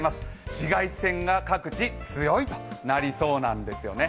紫外線が各地、強いとなりそうなんですよね。